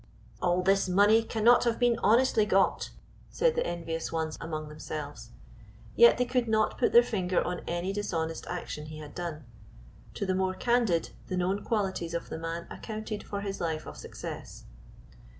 "All this money cannot have been honestly got," said the envious ones among themselves; yet they could not put their finger on any dishonest action he had done. To the more candid the known qualities of the man accounted for his life of success.